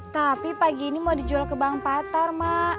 tapi pagi ini mau dijual ke bang patar mak